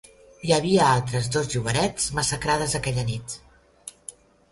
Hi havia altres dos llogarets massacrades aquella nit.